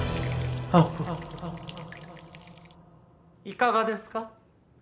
いかがですか？